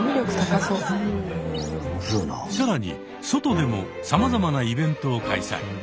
更に外でもさまざまなイベントを開催。